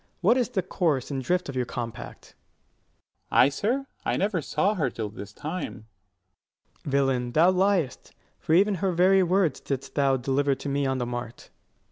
What is the course and drift of your compact? 160 Dro. S. I, sir? I never saw her till this time. Ant. S. Villain, thou liest; for even her very words Didst thou deliver to me on the mart. _Dro.